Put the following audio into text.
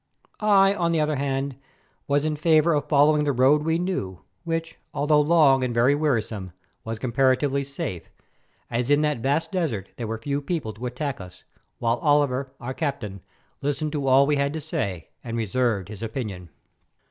I, on the other hand, was in favour of following the road we knew, which, although long and very wearisome, was comparatively safe, as in that vast desert there were few people to attack us, while Oliver, our captain, listened to all we had to say, and reserved his opinion.